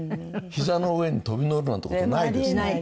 ひざの上に飛び乗るなんて事ないですね。